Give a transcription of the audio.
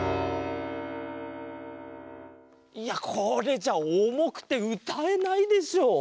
いやこれじゃおもくてうたえないでしょう。